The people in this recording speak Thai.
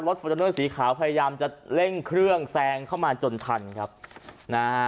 ฟอร์จูเนอร์สีขาวพยายามจะเร่งเครื่องแซงเข้ามาจนทันครับนะฮะ